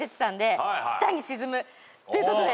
ということで。